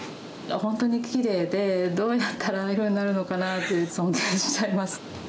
本当にきれいで、どうやったらああいうふうになるのかなって尊敬しちゃいます。